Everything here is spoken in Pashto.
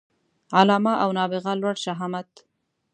علامه او نابغه لوړ شهامت